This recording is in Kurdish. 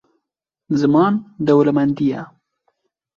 Ziman dewlemendî ye.